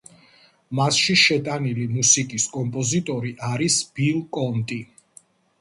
მასში შეტანილი მუსიკის კომპოზიტორი არის ბილ კონტი.